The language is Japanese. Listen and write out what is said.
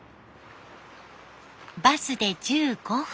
バスで１５分。